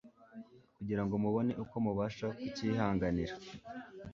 kugira ngo mubone uko mubasha kukihanganira.”